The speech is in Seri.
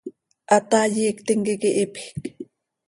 ¡Hataai iictim quih iiqui hiipjc!